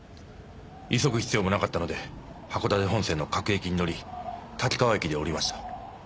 急ぐ必要もなかったので函館本線の各駅に乗り滝川駅で降りました。